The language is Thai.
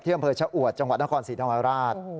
เที่ยงเผยชะอวดจังหวัดนครศรีธรรมราช